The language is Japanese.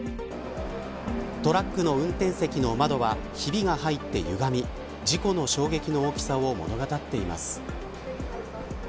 トラックの運転席の窓はひびが入って、歪み事故の衝撃の大きさを物語っています。